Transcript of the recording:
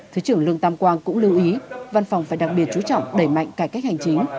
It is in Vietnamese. thứ trưởng lương tam quang cũng lưu ý văn phòng phải đặc biệt chú trọng đẩy mạnh cải cách hành chính